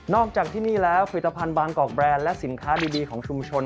อกจากที่นี่แล้วผลิตภัณฑ์บางกอกแรนด์และสินค้าดีของชุมชน